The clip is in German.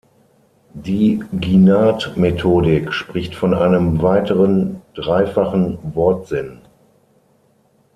Die Ginat-Methodik spricht von einem weiteren dreifachen Wortsinn.